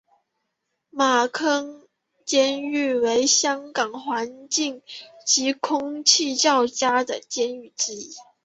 马坑监狱为香港环境及空气较佳的监狱之一。